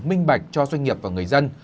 minh bạch cho doanh nghiệp và người dân